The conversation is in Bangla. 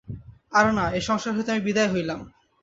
আর না, এ সংসার হইতে আমি বিদায় হইলাম।